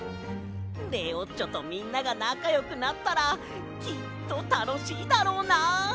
レオッチョとみんながなかよくなったらきっとたのしいだろうなあ。